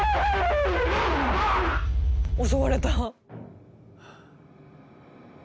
襲われた。